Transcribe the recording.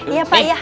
iya pak ya